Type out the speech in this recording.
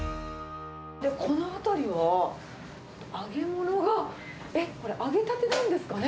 この辺りは、揚げものが、えっ、これ、揚げたてなんですかね。